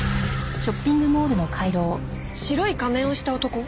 白い仮面をした男？